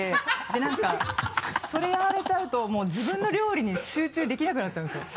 で何かそれやられちゃうともう自分の料理に集中できなくなっちゃうんですよ。